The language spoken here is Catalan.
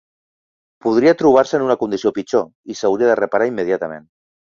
Podria trobar-se en una condició pitjor... i s'hauria de reparar immediatament.